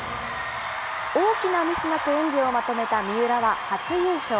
大きなミスなく演技をまとめた三浦は初優勝。